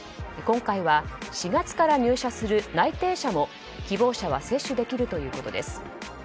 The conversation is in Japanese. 今回は４月から入社する内定者も希望者は接種できるということです。